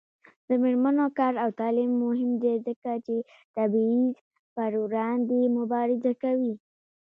د میرمنو کار او تعلیم مهم دی ځکه چې تبعیض پر وړاندې مبارزه کوي.